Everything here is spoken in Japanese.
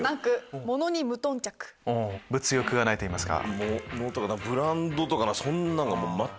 物欲がないといいますか。